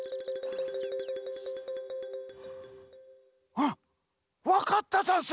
あっわかったざんす！